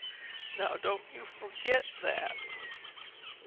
Now don't you forgit that.